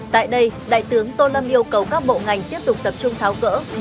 tại đây đại tướng tô lâm yêu cầu các bộ ngành tiếp tục tập trung tháo cỡ